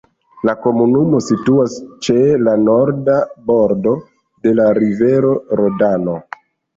La komunumo situas ĉe la norda bordo de la rivero Rodano.